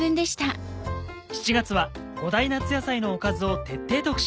７月は５大夏野菜のおかずを徹底特集。